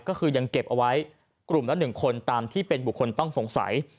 ก็คือยังเก็บเอาไว้กลุ่มละ๑คนตามที่เป็นบุคคลต้องสงสัย